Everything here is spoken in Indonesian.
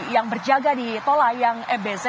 yang berjaga di tolayang mbz